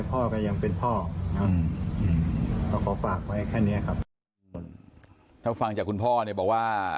พ่อก็ยังเป็นพ่อครับก็ขอฝากไว้แค่เนี้ยครับถ้าฟังจากคุณพ่อเนี่ยบอกว่า